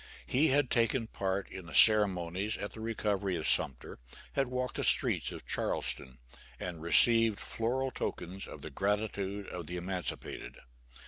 He had taken part in the ceremonies at the recovery of Sumter, had walked the streets of Charleston, and received floral tokens of the gratitude of the emancipated.